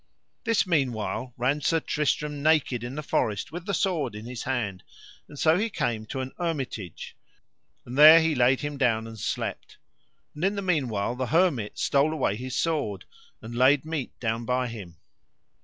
This meanwhile ran Sir Tristram naked in the forest with the sword in his hand, and so he came to an hermitage, and there he laid him down and slept; and in the meanwhile the hermit stole away his sword, and laid meat down by him.